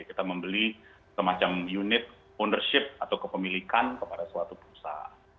jadi kita harus memiliki semacam unit ownership atau kepemilikan kepada suatu perusahaan